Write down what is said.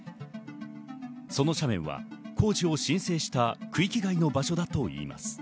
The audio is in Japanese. その斜面は工事を申請した区域以外の場所だといいます。